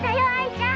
ちゃん。